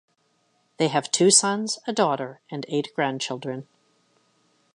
They have two sons, a daughter, and eight grandchildren.